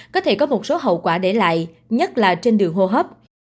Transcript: có thể có một số hậu quả để lại nhất là trên đường hô hấp